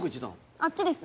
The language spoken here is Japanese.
あっちです。